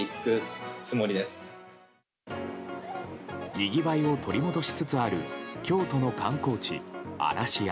にぎわいを取り戻しつつある京都の観光地・嵐山。